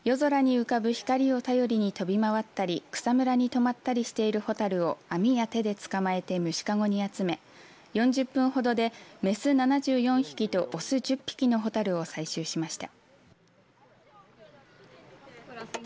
そして夜空に浮かぶ光を頼りに飛び回ったり草むらに止まったりしているホタルを網や手で捕まえて虫かごに集め４０分ほどで雌７４匹と雄１０匹のホタルを採集しました。